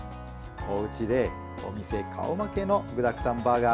おうちで、お店顔負けの具だくさんバーガー